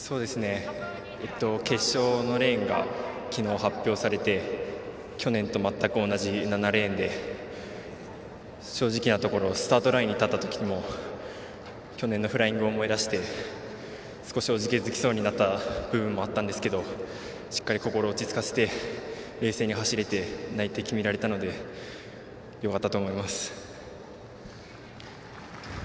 決勝のレーンがきのう発表されて去年と全く同じ７レーンで正直なところスタートラインに立ったときも去年のフライングを思い出して少しおじけづきそうになった部分もあったんですけどしっかり心を落ち着かせて冷静に走れて内定決められたのでよかったなと思います。